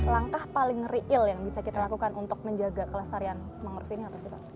langkah paling real yang bisa kita lakukan untuk menjaga kelestarian mangrove ini apa sih pak